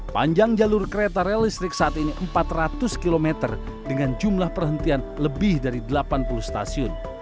panjang jalur kereta rel listrik saat ini empat ratus km dengan jumlah perhentian lebih dari delapan puluh stasiun